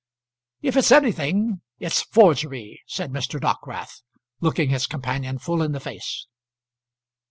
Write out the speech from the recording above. "If it's anything, it's forgery," said Mr. Dockwrath, looking his companion full in the face.